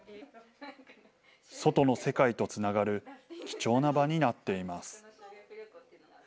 外の世界とつながる貴重な場になっています。